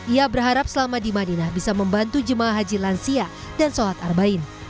ia berharap selama di madinah bisa membantu jemaah haji lansia dan sholat arbain